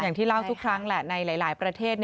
อย่างที่เล่าทุกครั้งแหละในหลายประเทศ